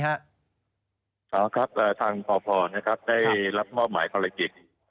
พภครับทางปภได้รับบ้อหมายภารกิจ